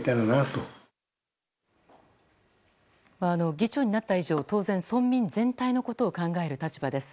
議長になった以上当然、村民全体のことを考える立場です。